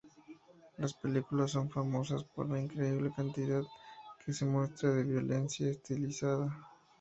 Las películas son famosas por la increíble cantidad que se muestra de violencia estilizada.